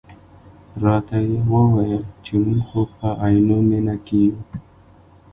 راته یې وویل چې موږ خو په عینومېنه کې یو.